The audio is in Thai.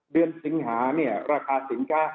สิงหาเนี่ยราคาสินค้า